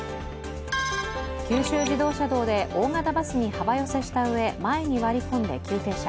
九州自動車道で大型バスに幅寄せしたうえ前に割り込んで急停車。